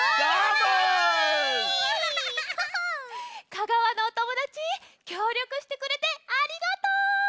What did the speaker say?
香川のおともだちきょうりょくしてくれてありがとう！